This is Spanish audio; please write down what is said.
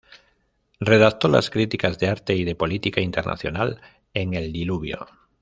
Redactó las críticas de arte y de política internacional en "El Diluvio".